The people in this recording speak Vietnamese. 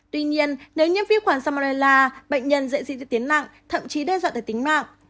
tuy nhiên nếu nhiễm vi khuẩn salmerla bệnh nhân dễ xin diễn tiến nặng thậm chí đe dọa tới tính mạng